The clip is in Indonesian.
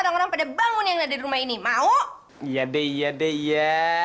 orang pada bangun yang ada di rumah ini mau iya deh iya deh iya